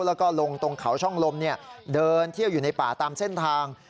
แล้วก็ลงตรงเขาช่องลมเดินเที่ยวอยู่ในป่าตามเส้นทาง